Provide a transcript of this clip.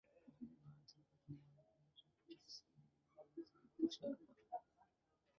যিনি ভারতের প্রথম মহিলা ক্রিকেট কোচ সুনিতা শর্মা।